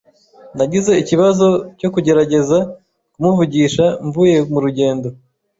Nagize ikibazo cyo kugerageza kumuvugisha mvuye mu rugendo.